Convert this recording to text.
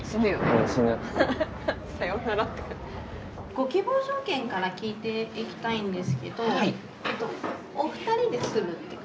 ご希望条件から聞いていきたいんですけどお二人で住むっていう感じ？